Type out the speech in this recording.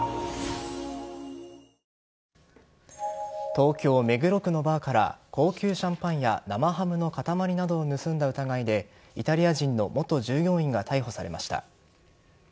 東京・目黒区のバーから高級シャンパンや生ハムの塊などを盗んだ疑いでイタリア人の元従業員が逮捕されました。